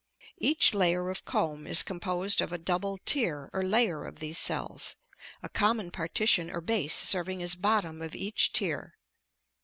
Each layer of comb is composed of a double tier or layer of these cells, a common partition or base serving as bottom of each tier.